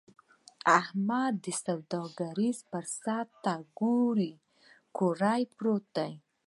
احمد دې سوداګريز فرصت ته کوړۍ کوړۍ پروت دی.